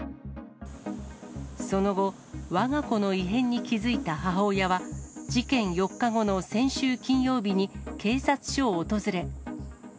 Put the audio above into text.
その後、わが子の異変に気付いた母親は、事件４日後の先週金曜日に警察署を訪れ。